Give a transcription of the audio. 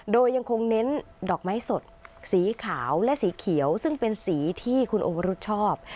โดยยังคงเน้นดอกไม้สดสีขาวและสีเขียวซึ่งเป็นสีที่คุณโอวรุธชอบ